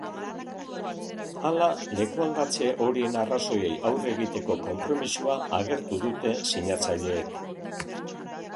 Hala, lekualdatze horien arrazoiei aurre egiteko konpromisoa agertu dute sinatzaileek.